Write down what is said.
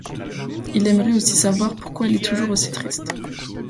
Il aimerait aussi savoir pourquoi elle est toujours aussi triste.